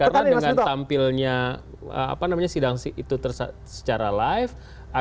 karena dengan tampilnya apa namanya sidang itu secara live